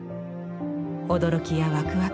驚きやワクワク